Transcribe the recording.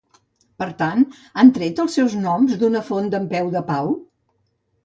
Per tant, han tret els seus noms d'una font d'En Peu de Pau?